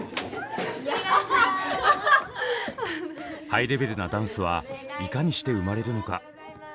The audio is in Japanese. ハイレベルなダンスはいかにして生まれるのか。